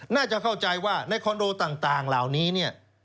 น่าจะเข้าใจว่าในคอนโดต่างเหล่านี้เนี่ย